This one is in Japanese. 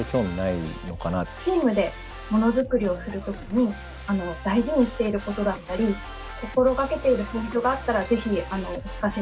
チームでものづくりをする時に大事にしていることだったり心がけているポイントがあったらぜひお聞かせ願いたいなと。